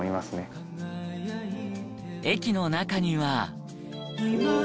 駅の中には。